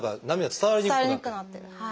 伝わりにくくなってる。